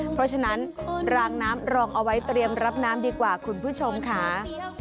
เพราะฉะนั้นรางน้ำรองเอาไว้เตรียมรับน้ำดีกว่าคุณผู้ชมค่ะ